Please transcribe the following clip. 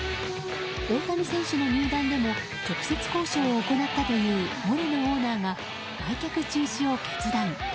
大谷選手の入団でも直接交渉を行ったというモレノオーナーが売却中止を決断。